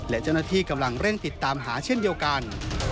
และเจ้าหน้าที่กำลังเร่งติดตามหาเช่นเดียวกัน